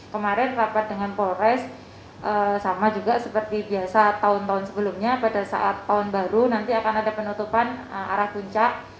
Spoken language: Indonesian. kemarin rapat dengan polres sama juga seperti biasa tahun tahun sebelumnya pada saat tahun baru nanti akan ada penutupan arah puncak